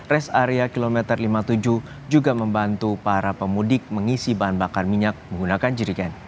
res area kilometer lima puluh tujuh juga membantu para pemudik mengisi bahan bakar minyak menggunakan jerigen